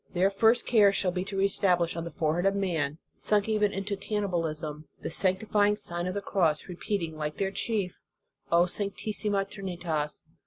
Their first care shall be to reestablish on the forehead of man, sunk even into canni balism, the sanctifying Sign of the Cross, repeating, like their chief: O sanctissima Trini tas!